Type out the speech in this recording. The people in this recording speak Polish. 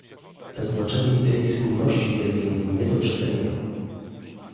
Znaczenie idei spójności jest więc nie do przecenienia